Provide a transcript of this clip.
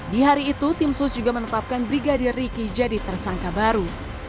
di hari itu tim sus juga menetapkan brigadir riki jadi tersangka baru